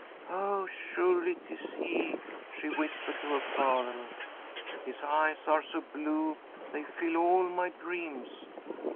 'Oh, surely, 'tis he!' she whispered to her father. 'His eyes are so blue they fill all my dreams!'